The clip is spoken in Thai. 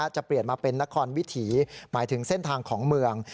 จะเปลี่ยนมาเป็นนครวิถีหมายถึงเส้นทางของเมือง